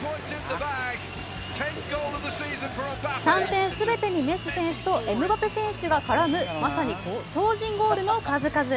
３点全てにメッシ選手とエムバペ選手が絡むまさに超人ゴールの数々。